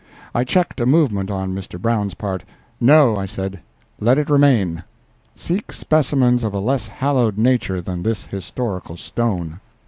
I checked a movement on Mr. Brown's part: "No," I said, "let it remain; seek specimens of a less hallowed nature than this historical stone."